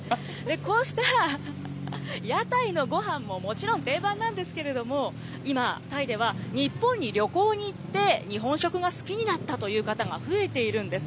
こうした屋台のごはんももちろん定番なんですけれども、今、タイでは日本に旅行に行って、日本食が好きになったという方が増えているんです。